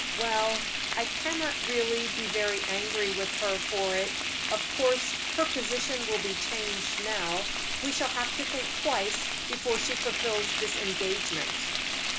"Well, I cannot really be very angry with her for it; of course her position will be changed now. We shall have to think twice before she fulfills this engagement."